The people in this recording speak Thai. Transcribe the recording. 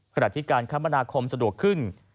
ขณะที่การคมนาคมสะดวกขึ้น